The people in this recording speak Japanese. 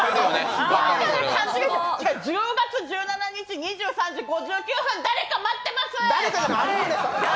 ばかな、１０月１７日２３時５９分誰か待ってます。